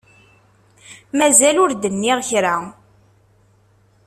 Mazal ur d-nniɣ kra.